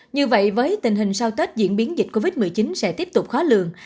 như vậy với tình hình sau tết diễn biến dịch covid một mươi chín sẽ tiếp tục khó lường